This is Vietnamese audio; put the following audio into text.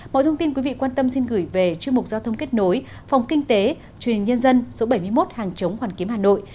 mọi thông tin quý vị quan tâm xin gửi về chương mục giao thông kết nối phòng kinh tế truyền hình nhân dân số bảy mươi một hàng chống hoàn kiếm hà nội